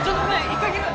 １回切る！